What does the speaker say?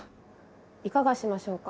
いかがしましょうか？